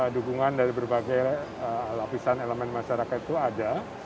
dukungan dari berbagai lapisan elemen masyarakat itu ada